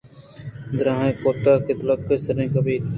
دِرٛیہہ کُت کہ تلک ءَ سرٛین ءَ گپت